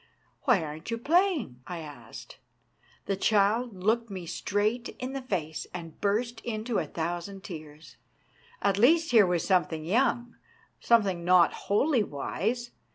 "Why aren't you playing?" I asked. The ON COMMON SENSE 241 child looked me straight in the face, and burst into a thousand tears. At least here was something young, something not wholly wise.